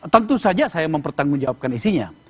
tentu saja saya mempertanggungjawabkan isinya